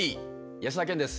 安田顕です。